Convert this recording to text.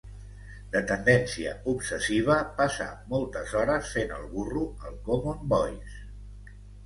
De tendència obsessiva, passa moltes hores fent el burro al Common Voice.